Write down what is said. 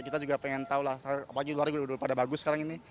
kita juga pengen tahu lah apalagi luar negeri pada bagus sekarang ini